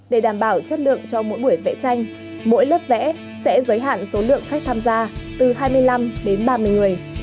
để đảm bảo chất lượng cho mỗi buổi vẽ tranh mỗi lớp vẽ sẽ giới hạn số lượng khách tham gia từ hai mươi năm đến ba mươi người